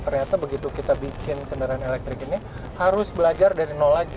ternyata begitu kita bikin kendaraan elektrik ini harus belajar dari nol lagi